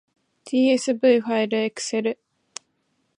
tsv ファイルエクセル